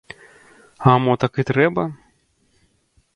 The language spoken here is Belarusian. А мо так і трэба?